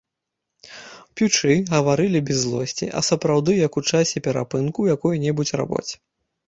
П'ючы, гаварылі без злосці, а сапраўды як у часе перапынку ў якой-небудзь рабоце.